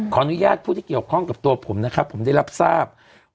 อนุญาตผู้ที่เกี่ยวข้องกับตัวผมนะครับผมได้รับทราบ